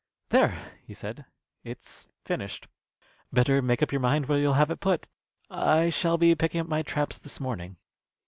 "There!" he said, "it's finished. Better make up your mind where you'll have it put. I shall be picking up my traps this morning."